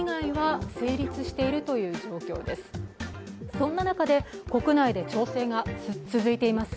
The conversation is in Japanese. そんな中で国内で調整が続いています